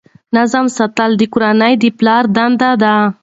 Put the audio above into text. نظم ساتل د کورنۍ د پلار دنده ده.